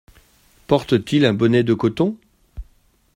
Porte-t-il un bonnet de coton ?…